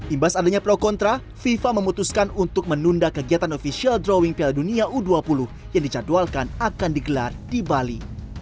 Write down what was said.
imbas adanya pro kontra fifa memutuskan untuk menunda kegiatan ofisial drawing piala dunia u dua puluh yang dijadwalkan akan digelar di bali